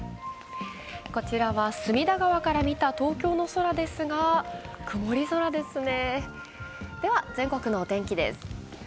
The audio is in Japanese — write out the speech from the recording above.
こちらは隅田川から見た東京の空ですが曇り空ですね。